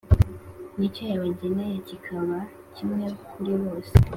n’icyo yabageneye kikaba kimwe kuri bose;